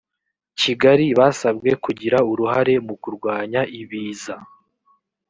kigali basabwe kugira uruhare mu kurwanya ibiza